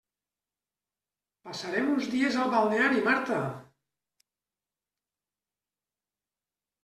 Passarem uns dies al balneari, Marta!